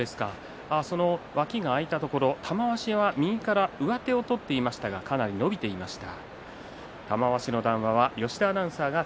脇が空いたところ玉鷲が右から上手を取っていましたがかなり伸びていました。